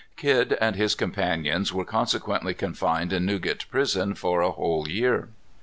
Kidd and his companions were consequently confined in Newgate prison for a whole year.